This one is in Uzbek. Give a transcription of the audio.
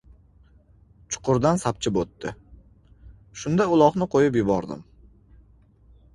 Chuqurdan sapchib o‘tdi. Shunda uloqni qo‘yib yubordim.